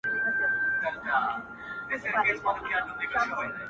دا عجیب منظرکسي ده” وېره نه لري امامه”